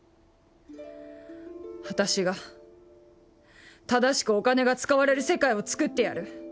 私が正しくお金が使われる世界をつくってやる。